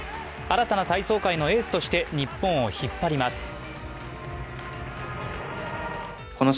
新たな体操界のエースとして日本を引っ張ります。